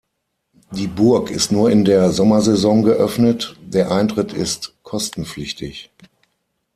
Die Burg ist nur in der Sommersaison geöffnet, der Eintritt ist kostenpflichtig.